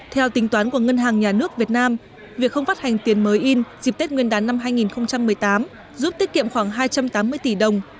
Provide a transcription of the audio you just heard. theo tính toán của ngân hàng nhà nước việt nam việc không phát hành tiền mới in dịp tết nguyên đán năm hai nghìn một mươi tám giúp tiết kiệm khoảng hai trăm tám mươi tỷ đồng